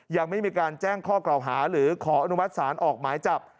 ยังไม่มีการแจ้งข้อกล่าวหาหรือขออนุมัติศาลออกหมายจับ